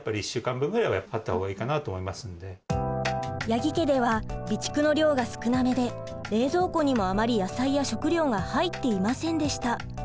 八木家では備蓄の量が少なめで冷蔵庫にもあまり野菜や食料が入っていませんでした。